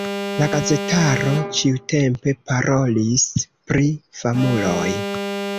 La gazetaro ĉiutempe parolis pri famuloj.